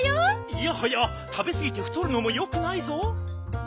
いやはやたべすぎてふとるのもよくないぞ。